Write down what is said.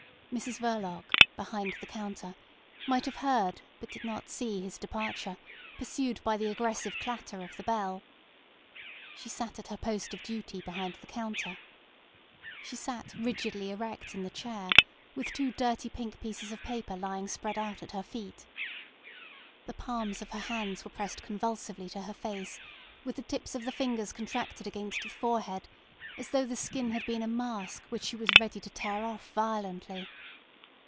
Mrs Verloc, behind the counter, might have heard but did not see his departure, pursued by the aggressive clatter of the bell. She sat at her post of duty behind the counter. She sat rigidly erect in the chair with two dirty pink pieces of paper lying spread out at her feet. The palms of her hands were pressed convulsively to her face, with the tips of the fingers contracted against the forehead, as though the skin had been a mask which she was ready to tear off violently.